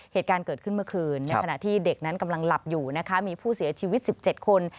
เหตุการณ์เกิดขึ้นเมื่อคืนในขณะที่เด็กนั้นกำลังหลับอยู่นะคะมีผู้เสียชีวิต๑๗คน